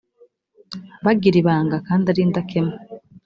bagira ibanga kandi ari indakemwa